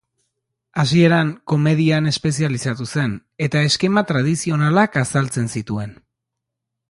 Hasieran, komedian espezializatu zen, eta eskema tradizionalak azaltzen zituen.